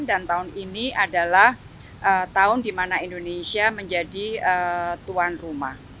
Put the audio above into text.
dan tahun ini adalah tahun di mana indonesia menjadi tuan rumah